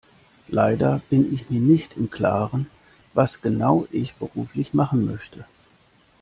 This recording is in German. Leider bin ich mir nicht im Klaren, was genau ich beruflich machen möchte.